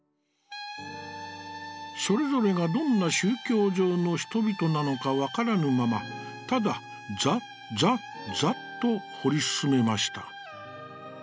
「それぞれが、どんな宗教上の人々なのか判らぬまま、ただザッザッザッと彫り進めました。